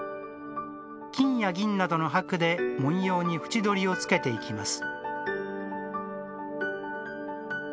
金や銀などの箔で文様に縁取りをつけていきます。